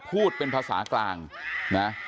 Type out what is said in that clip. พูดเป็นภาษากลางนะ